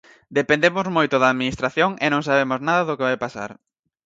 Dependemos moito da administración e non sabemos nada do que vai pasar.